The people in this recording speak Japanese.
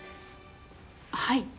はい。